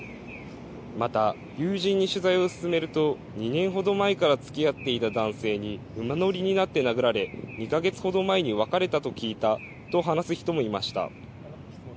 また友人に取材を進めると２年ほど前からつきあっていた男性に馬乗りになって殴られ２か月ほど前に別れたと聞いたと話す人もいました。